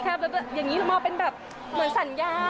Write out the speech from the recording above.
แค่แบบอย่างนี้เรามาเอาเป็นแบบเหมือนสัญญา